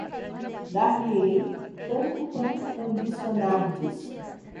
Dar-lhe-ei tanto quanto ambicionardes